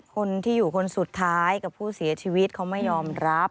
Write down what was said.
คนที่อยู่คนสุดท้ายกับผู้เสียชีวิตเขาไม่ยอมรับ